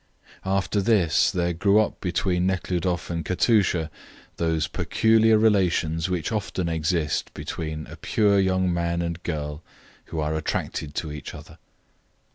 After this there grew up between Nekhludoff and Katusha those peculiar relations which often exist between a pure young man and girl who are attracted to each other.